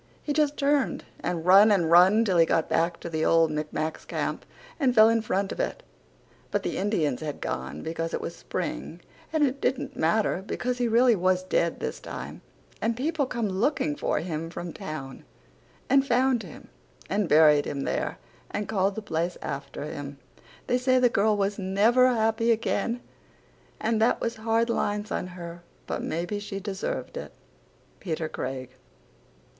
He just turned and run and run till he got back to the old micmac's camp and fell in front of it. But the indians had gone because it was spring and it didnt matter because he really was dead this time and people come looking for him from town and found him and buryed him there and called the place after him. They say the girl was never happy again and that was hard lines on her but maybe she deserved it. PETER CRAIG.